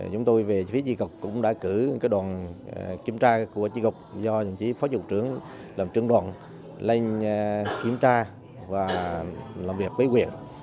chúng tôi về phía trị gục cũng đã cử đoàn kiểm tra của trị gục do phó chủ trưởng làm trưởng đoàn lên kiểm tra và làm việc với quyền